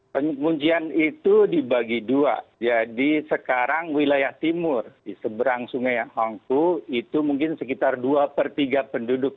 penguncian itu dibagi dua jadi sekarang wilayah timur di seberang sungai hongku itu mungkin sekitar dua per tiga penduduk